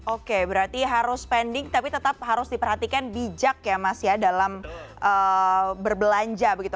oke berarti harus spending tapi tetap harus diperhatikan bijak ya mas ya dalam berbelanja begitu